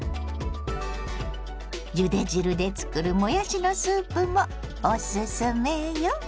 ゆで汁で作るもやしのスープもおすすめよ。